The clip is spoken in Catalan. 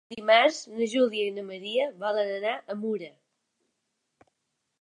Dimarts na Júlia i na Maria volen anar a Mura.